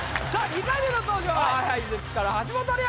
２回目の登場はＨｉＨｉＪｅｔｓから橋本涼！